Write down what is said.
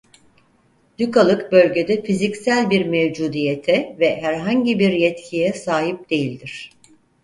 Dükalık bölgede fiziksel bir mevcudiyete ve herhangi bir yetkiye sahip değildir.